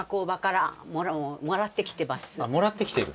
あっもらってきてる。